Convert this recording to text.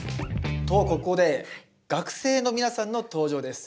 とここで学生の皆さんの登場です。